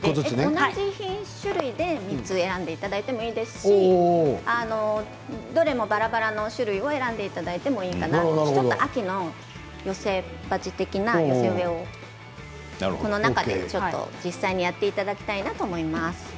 同じ種類を３つ選んでいただいてもいいですしどれもばらばらな種類を選んでいただいてもいいかなと秋の寄せ鉢的な寄せ植えをこの中で実際にやってみよう。